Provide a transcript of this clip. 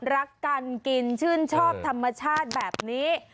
รักกันกินชื่นชอบธรรมชาติแบบนี้